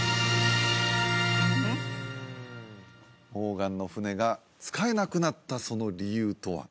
モーガンの船が使えなくなったその理由とは？